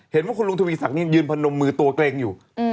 เห็นว่าคุณลุงทวีศักดิยืนพนมมือตัวเกร็งอยู่